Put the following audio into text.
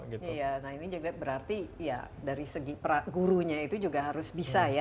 iya nah ini juga berarti ya dari segi gurunya itu juga harus bisa ya